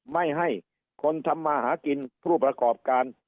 ไม่ให้คนทำมาหากินผู้ประกอบการ